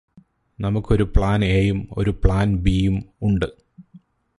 നമുക്കൊരു ഒരു പ്ലാൻ എയും ഒരു പ്ലാൻ ബിയും ഉണ്ട്